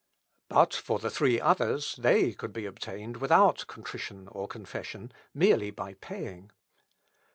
But for the three others, they could be obtained without contrition or confession, merely by paying.